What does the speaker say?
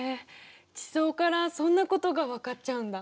地層からそんなことが分かっちゃうんだ！